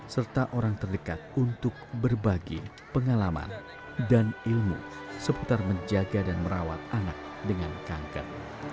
serta orang terdekat untuk berbagi pengalaman dan ilmu seputar menjaga dan merawat anak dengan kanker